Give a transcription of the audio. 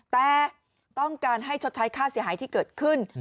แต่ต้องการให้ชดใช้ค่าเสียหายที่เกิดขึ้น